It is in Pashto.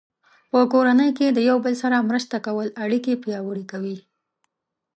په کورنۍ کې د یو بل سره مرسته کول اړیکې پیاوړې کوي.